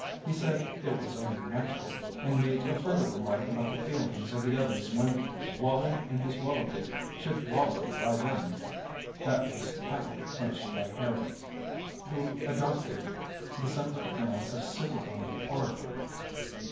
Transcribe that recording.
He said it was only natural, and made a further remark about the feelings of the others when "Wally and his wallaby should wallow by them" that was happily quenched by Harry, who adopted the simple plan of sitting on the orator.